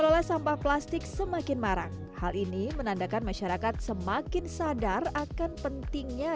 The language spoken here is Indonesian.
kelola sampah plastik semakin marak hal ini menandakan masyarakat semakin sadar akan pentingnya